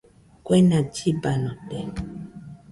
Kuena llibanote.